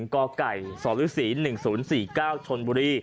๑กสศ๑๐๔๙ชนบุรี